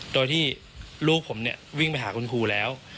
โดยที่ลูกผมเนี่ยวิ่งไปหาคุณครูแล้ว